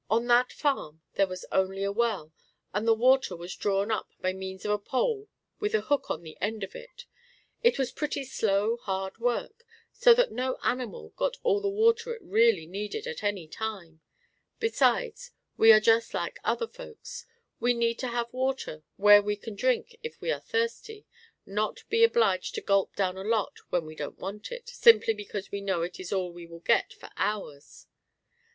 On that farm there was only a well, and the water was drawn by means of a pole with a hook on the end of it. It was pretty slow, hard work, so that no animal got all the water it really needed at any time; besides we are just like "other folks," we need to have water where we can drink if we are thirsty, not be obliged to gulp down a lot when we don't want it, simply because we know it is all we will get for hours.